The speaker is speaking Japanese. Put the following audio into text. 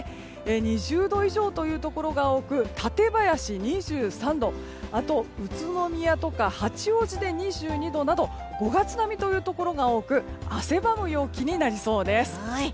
２０度以上というところが多く舘林は２３度宇都宮とか八王子で２２度など５月並みというところが多く汗ばむ陽気になりそうです。